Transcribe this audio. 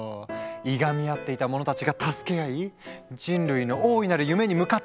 いがみ合っていた者たちが助け合い人類の大いなる夢に向かって突き進む！